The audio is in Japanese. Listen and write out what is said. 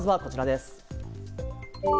まずはこちらです。